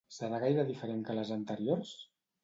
Serà gaire diferent que les anteriors?